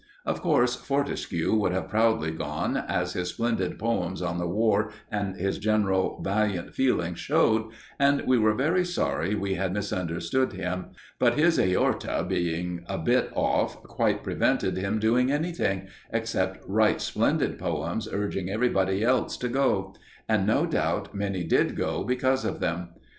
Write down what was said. Of course, Fortescue would have proudly gone, as his splendid poems on the war and his general valiant feelings showed, and we were very sorry we had misunderstood him; but his aorta being a bit off quite prevented him doing anything except write splendid poems urging everybody else to go; and no doubt many did go because of them.